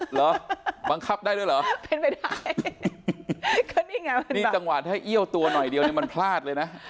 เหรอบังคับได้ด้วยเหรอเป็นไปได้ก็นี่ไงนี่จังหวะถ้าเอี้ยวตัวหน่อยเดียวเนี่ยมันพลาดเลยนะ